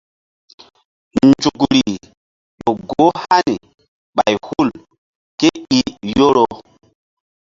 Nzukr ƴo goh hani ɓay hul ké i Yoro.